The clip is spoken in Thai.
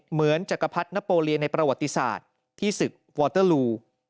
เหมือนกับจักรพรรดนโปรเลียในประวัติศาสตร์ที่ศึกวอเตอร์ลู